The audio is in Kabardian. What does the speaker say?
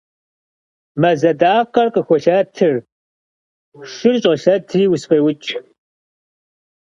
Мэз адакъэр къыхолъэтыр, шыр щӏолъэтри усфӏеукӏ.